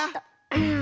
うん。